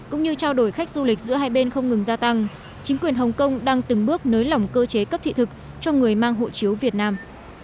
cũng như trao đổi khách du lịch giữa hai bên không ngừng gia tăng chính quyền hồng kông đang từng bước nới lỏng cơ chế cấp thị thực cho người mang hộ chiếu việt nam